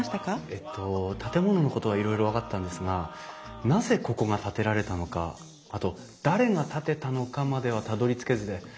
えっと建物のことはいろいろ分かったんですがなぜここが建てられたのかあと誰が建てたのかまではたどりつけずで。